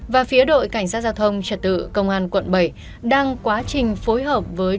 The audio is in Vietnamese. và phía đội cảnh sát giao thông trật tự công an quận bảy đang quá trình phối hợp với